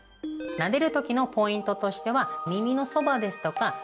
なでる時のポイントとしては耳のそばですとか